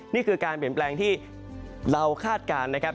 นี่คือการเปลี่ยนแปลงที่เราคาดการณ์นะครับ